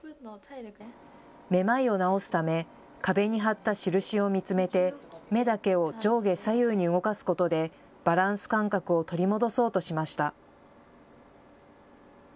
めまいを治すため壁に貼った印を見つめて目だけを上下左右に動かすことでバランス感覚を取り戻そうとしました。